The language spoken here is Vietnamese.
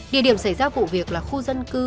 địa điểm xảy ra vụ việc là khu dân cư hiện hữu